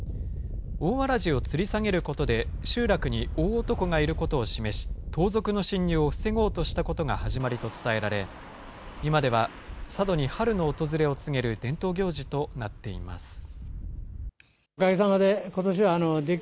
大わらじをつり下げることで、集落に大男がいることを示し、盗賊の侵入を防ごうとしたことが始まりと伝えられ、今では、佐渡に春の訪れを告げる伝統行事となっています。